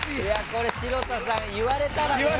これ城田さん言われたらね。